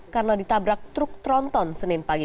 karena ditabrak truk tronton senin pagi